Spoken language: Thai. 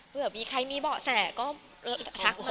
เผื่อมีใครมีเบาะแสก็ทักมา